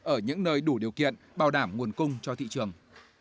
ở những nơi đủ điều kiện bảo đảm nguồn cung cho thị trường